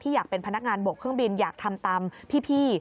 อยากเป็นพนักงานบวกเครื่องบินอยากทำตามพี่